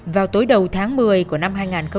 vào tối đầu tháng một mươi của năm hai nghìn một mươi hai